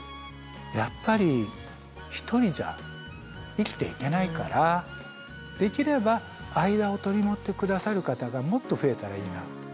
やっぱり一人じゃ生きていけないからできれば間を取り持って下さる方がもっと増えたらいいなって。